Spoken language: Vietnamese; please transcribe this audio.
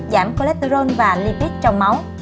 giảm cholesterol và lipid trong máu